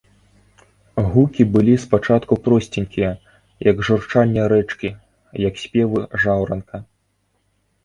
Гукі былі с пачатку просценькія, як журчанне рэчкі, як спевы жаўранка.